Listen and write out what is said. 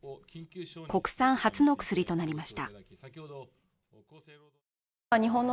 国産初の薬となりました。